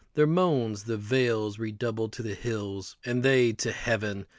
Their moansThe vales redoubled to the hills, and theyTo heaven.